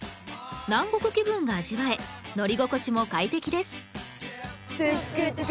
南国気分が味わえ乗り心地も快適ですトゥックトゥク！